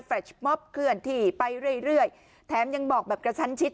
แฟล็จมอบเคลื่อนที่ไปเรื่อยแถมยังบอกแบบกระชันชิด